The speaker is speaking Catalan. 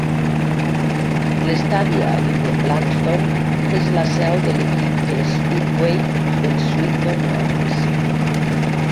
L'estadi Abbey de Blunsdon és la seu de l'equip de speedway dels Swindon Robins.